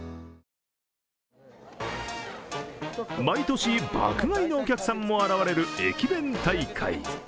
毎年、爆買いのお客さんも現れる駅弁大会。